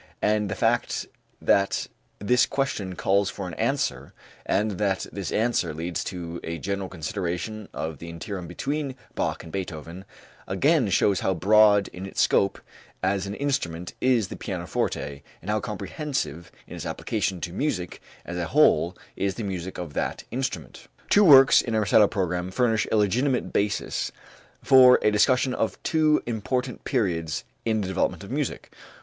And the fact that this question calls for an answer and that this answer leads to a general consideration of the interim between Bach and Beethoven, again shows how broad in its scope as an instrument is the pianoforte and how comprehensive in its application to music as a whole is the music of that instrument. Two works on a recital program furnish a legitimate basis for a discussion of two important periods in the development of music!